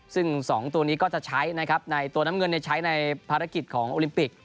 ซึ่ง๒ตัวนี้ก็จะใช้นะครับในตัวน้ำเงินใช้ในภารกิจของโอลิมปิก